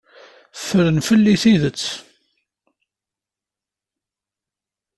Ffren fell-i tidet.